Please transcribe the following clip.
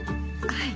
はい。